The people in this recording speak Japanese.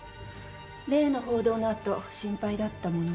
例の報道の後心配だったもので。